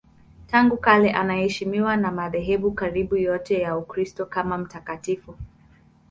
Tangu kale anaheshimiwa na madhehebu karibu yote ya Ukristo kama mtakatifu.